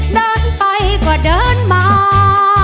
เดินไปก็เดินมา